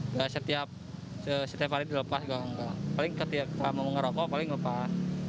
gak setiap hari dilepas paling ketika mau ngerokok paling lepas